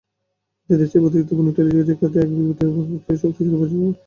এতে দেশটির প্রতিযোগিতাপূর্ণ টেলিযোগাযোগ খাতে একীভূত অপারেটরটির শক্তিশালী বাজার অবস্থানও নিশ্চিত হবে।